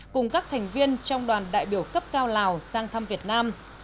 cùng các thành viên trong đoàn đại biểu cấp cao lào sang thăm việt nam